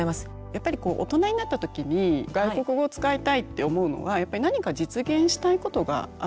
やっぱり大人になった時に外国語を使いたいって思うのはやっぱり何か実現したいことがあるんですよね。